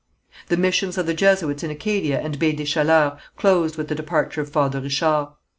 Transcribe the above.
The missions of the Jesuits in Acadia and Baie des Chaleurs closed with the departure of Father Richard.